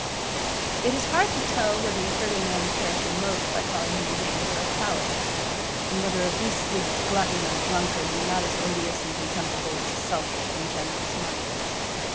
It is hard to tell, whether you hurt a man's character most by calling him a knave or a coward, and whether a beastly glutton or drunkard be not as odious and contemptible, as a selfish, ungenerous miser.